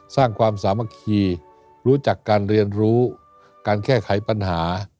สร้างความสามัคคีรู้จักการเรียนรู้การแก้ไขปัญหา